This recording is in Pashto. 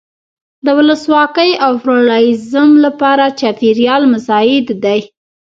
د ولسواکۍ او پلورالېزم لپاره چاپېریال مساعد دی.